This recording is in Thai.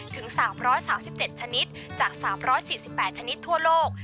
ถึง๓๓๗ชนิดจาก๓๔๘ชนิดทั่วโลก